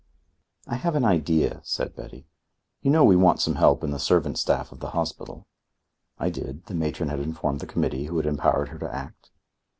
"I have an idea," said Betty. "You know we want some help in the servant staff of the hospital?" I did. The matron had informed the Committee, who had empowered her to act.